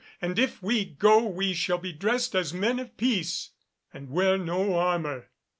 And if we go we shall be dressed as men of peace, and wear no armour."